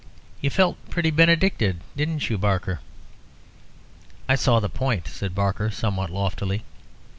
You felt pretty benedicted, didn't you, Barker?" "I saw the point," said Barker, somewhat loftily.